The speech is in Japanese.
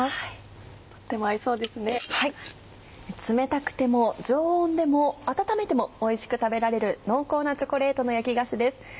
冷たくても常温でも温めてもおいしく食べられる濃厚なチョコレートの焼き菓子です。